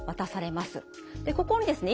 でここにですね